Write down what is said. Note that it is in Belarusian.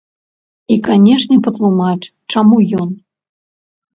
І канешне, патлумач, чаму ён.